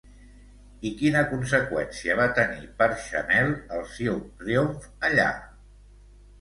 I quina conseqüència va tenir per Chanel el seu triomf allà?